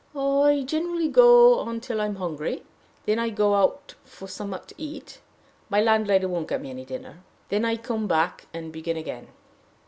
"I generally go on till I'm hungry, and then I go out for something to eat. My landlady won't get me any dinner. Then I come back and begin again."